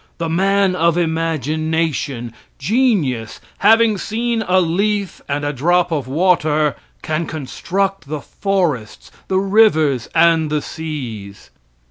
The man of imagination, genius, having seen a leaf and a drop of water, can construct the forests, the rivers, and the seas.